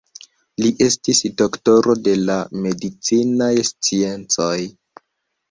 Li estis doktoro de la medicinaj sciencoj.